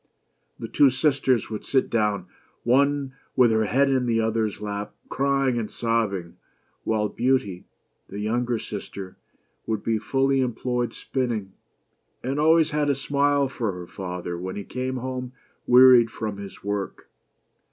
The two sisters would sit down, one with her head in the other's lap, crying and sobbing; while Beauty, the younger sister, would be fully employed spinning ; and always had a smile for her father when he came home wea ried from his work.